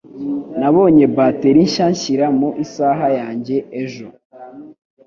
Nabonye bateri nshya nshyira mu isaha yanjye ejo.